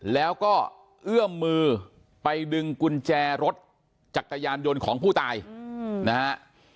แล้วก็เอื้อมมือไปดึงกุญแจรถจักรยานยนต์ของผู้ตายนะฮะ